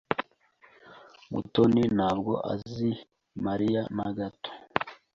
Mutoni ntabwo azi Mariya na gato.